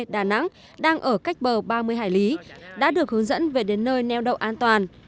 đà nẵng đang ở cách bờ ba mươi hải lý đã được hướng dẫn về đến nơi neo đậu an toàn